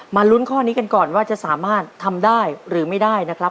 ลุ้นข้อนี้กันก่อนว่าจะสามารถทำได้หรือไม่ได้นะครับ